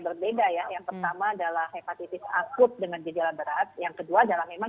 berbeda ya yang pertama adalah hepatitis akut dengan gejala berat yang kedua adalah memang